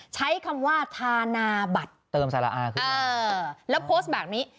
ใช้คำว่าธานาบัตรเออแล้วโพสต์แบบนี้